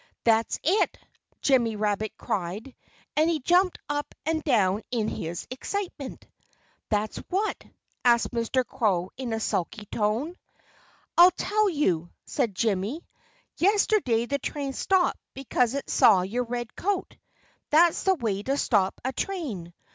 "That's it!" Jimmy Rabbit cried. And he jumped up and down in his excitement. "That's what?" asked Mr. Crow in a sulky tone. "I'll tell you!" said Jimmy. "Yesterday the train stopped because it saw your red coat. That's the way to stop a train.